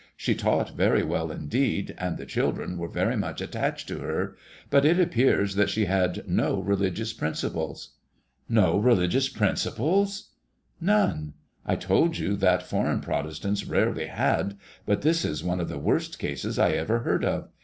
She taught very well indeed, and the children were very much attached to her, but it appears that she had no religious principles." " No religious principles 1 "'' None. I told you that foreign Protestants rarely had ; but this is one of the worst cases I ever heard of.